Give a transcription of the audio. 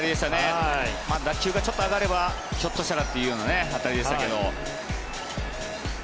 打球がちょっと上がればひょっとしたらという打球でしたけど。